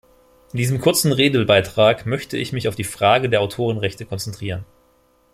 In diesem kurzen Redebeitrag möchte ich mich auf die Frage der Autorenrechte konzentrieren.